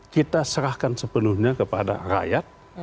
kita serahkan sepenuhnya kepada rakyat